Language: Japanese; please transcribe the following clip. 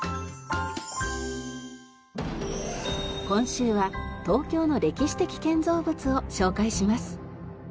今週は東京の歴史的建造物を紹介します。